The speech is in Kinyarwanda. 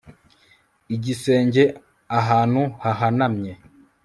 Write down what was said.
Igisenge ahantu hahanamye